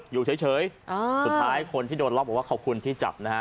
อยู่เฉยสุดท้ายคนที่โดนล็อกบอกว่าขอบคุณที่จับนะฮะ